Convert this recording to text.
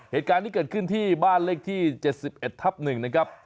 เหตุการณ์นี้เกิดขึ้นที่บ้านเลขที่๗๑ทับ๑นะครับ